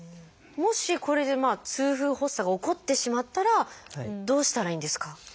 もしこれで痛風発作が起こってしまったらどうしたらいいんですか？